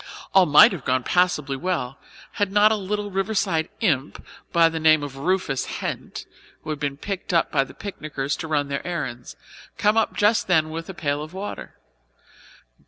All might have gone passably well, had not a little Riverside imp, by name of Rufus Hent, who had been picked up by the picnickers to run their errands, come up just then with a pail of water.